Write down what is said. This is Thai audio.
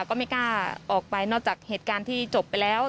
ก็ไม่กล้าออกไปนอกจากเหตุการณ์ที่จบไปแล้ว